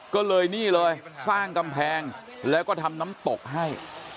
ก็เลยนี่เลยสร้างกำแพงแล้วก็ทำน้ำตกให้